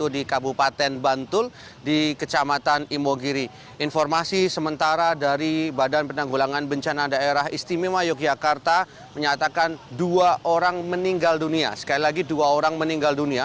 dua orang meninggal dunia sekali lagi dua orang meninggal dunia